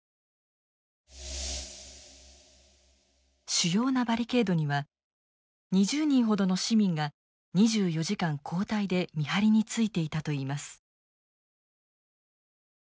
主要なバリケードには２０人ほどの市民が２４時間交代で見張りについていたといいます。